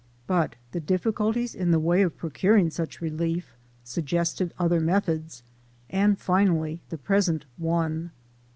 But the difficulties in the way of procuring such relief, suggested other methods, and finally the present one.